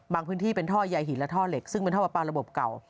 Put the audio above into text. พื้นที่เป็นท่อยาหินและท่อเหล็กซึ่งเป็นท่อปลาปลาระบบเก่า